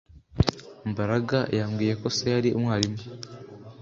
Mbaraga yambwiye ko se yari umwarimu